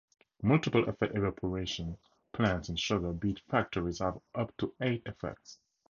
Multiple-effect evaporation plants in sugar beet factories have up to eight effects.